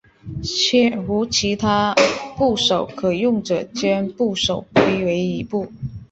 且无其他部首可用者将部首归为羽部。